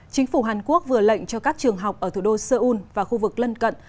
chính phủ hàn quốc vừa lệnh cho các trường học ở thủ đô seoul và khu vực lân cận